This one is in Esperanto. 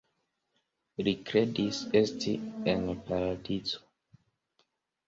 Li kredis esti en paradizo.